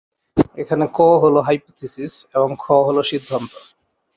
এখানে ক হলো হাইপোথিসিস এবং খ হলো সিদ্ধান্ত।